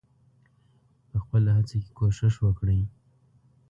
په خپله هڅه کې کوښښ وکړئ.